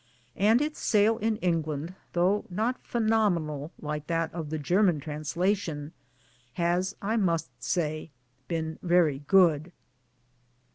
And its sale in England (though not phenomenal like that of the German translation) has, I must say, been very good.